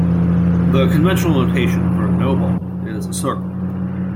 The conventional notation for a no ball is a circle.